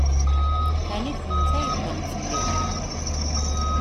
Ɛni d kennemti ara ydebbṛen fell-i?